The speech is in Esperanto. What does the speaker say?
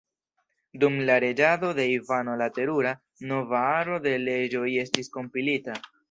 Dum la reĝado de Ivano la Terura nova aro de leĝoj estis kompilita.